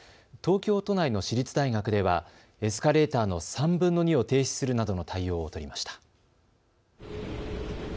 東京都内の私立大学ではエスカレーターの３分の２を停止するなどの対応を取りました。